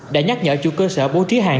đã nhắc nhở chủ cơ sở bố trí hàng